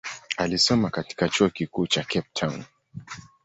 Alisoma katika chuo kikuu cha Cape Town.